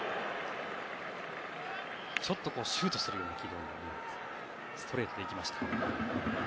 ちょっとシュートするような軌道のストレートでいきました。